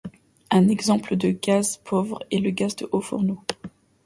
Un exemple de gaz pauvre est le gaz de haut fourneau.